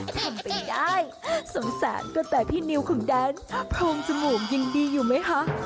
ทำไปได้สงสารก็แต่พี่นิวของแดนโครงจมูกยังดีอยู่ไหมคะ